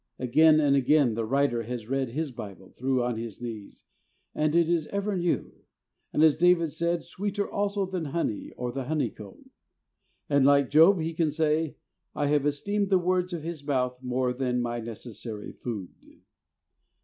Again and again the writer has read his Bible through on his knees, and it is ever new, and as David said, "sweeter also than honey or the honeycomb." And like Job he can say, *'I have esteemed the words of His mouth more than my necessary food."